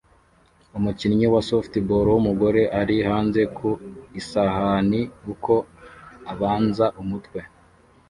Umukinnyi wa softball wumugore ari hanze ku isahani uko abanza umutwe